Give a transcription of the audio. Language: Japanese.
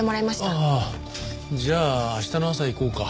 じゃあ明日の朝行こうか。